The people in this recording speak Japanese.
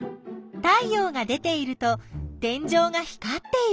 太陽が出ていると天井が光っている。